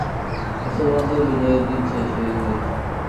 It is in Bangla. মুসলমানদের বিজয়ের দিন শেষ হইয়া গিয়াছে।